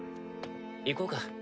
行こうか。